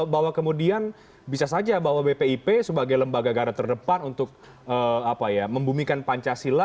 bahwa kemudian bisa saja bahwa bpip sebagai lembaga negara terdepan untuk membumikan pancasila